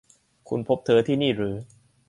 คุณพบเธอที่นี่หรือ